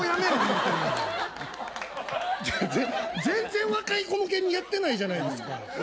全然若い子向けにやってないじゃないですか。